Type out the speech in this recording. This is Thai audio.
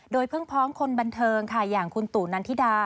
โดยเพิ่งพ้องคนบันเทิงค่ะอย่างคุณตู่นันทิดา